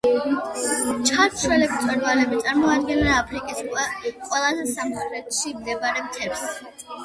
ჩაშვებული მწვერვალები წარმოადგენენ აფრიკის ყველაზე სამხრეთში მდებარე მთებს.